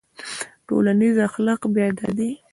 ټولنیز اخلاق بیا دا دي.